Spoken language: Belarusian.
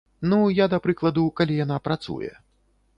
Ну, я да прыкладу, калі яна працуе.